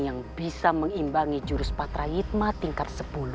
yang bisa mengimbangi jurus patra hitma tingkat sepuluh